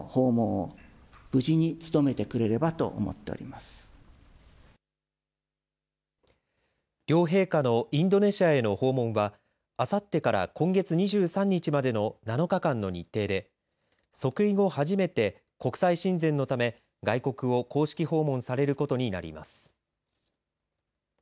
また、皇后さまについては。両陛下のインドネシアへの訪問はあさってから今月２３日までの７日間の日程で即位後初めて国際親善のため外国を公式訪問されることになります。